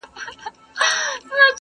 چي یې منکر دی هغه نادان دی.!